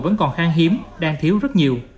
vẫn còn khang hiếm đang thiếu rất nhiều